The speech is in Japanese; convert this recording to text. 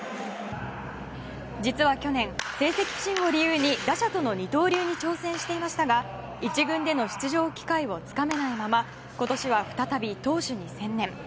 実は去年、成績不振を理由に打者との二刀流に挑戦していましたが１軍での出場機会をつかめないまま今年は再び、投手に専念。